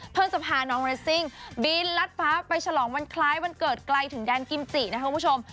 จะพาน้องเรสซิ่งบินลัดฟ้าไปฉลองวันคล้ายวันเกิดไกลถึงแดนกิมจินะครับคุณผู้ชม